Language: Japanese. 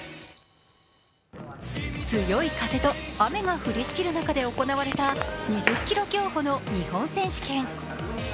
強い風と雨が降りしきる中で行われた２０ｋｍ競歩の日本選手権。